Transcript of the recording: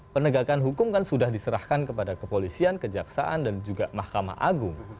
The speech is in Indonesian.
penegakan hukum kan sudah diserahkan kepada kepolisian kejaksaan dan juga mahkamah agung